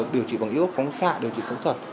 điều trị bằng ios phóng xạ điều trị phẫu thuật